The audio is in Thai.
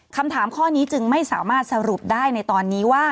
คำถามข้อนี้จึงไม่สามารถสรุปได้ในตอนนี้ว่า